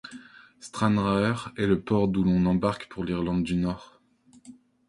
Stranraer est le port d'où l'on embarque pour l'Irlande du Nord.